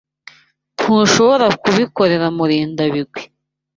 Ntushobora kubikorera Murindabigwi.